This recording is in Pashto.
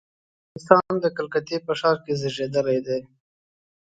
د هندوستان د کلکتې په ښار کې زېږېدلی دی.